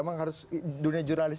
emang harus dunia jurnalis